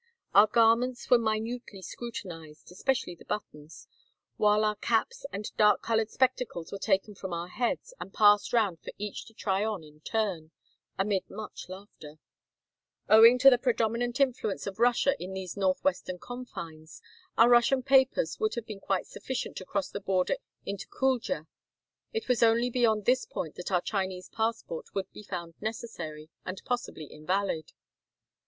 Our garments were minutely scrutinized, especially the buttons, while our caps 130 Across Asia on a Bicycle and dark colored spectacles were taken from our heads, and passed round for each to try on in turn, amid much laughter. THE CHINESE MILITARY COMMANDER OF KULDJA. Owing to the predominant influence of Russia in these northwestern confines, our Russian papers would have been quite sufficient to cross the border into Kuldja. It was only beyond this point that our Chinese passport would be found necessary, and possibly invalid.